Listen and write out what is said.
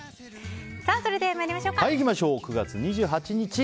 それでは参りましょう。